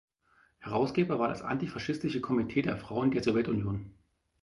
Herausgeber war das Antifaschistische Komitee der Frauen der Sowjetunion.